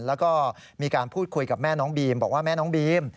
แล้วก็มีการพูดคุยกับแม่น้องบีมบอกว่าแม่น้องบีม